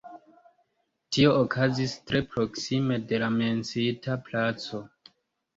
Tio okazis tre proksime de la menciita placo.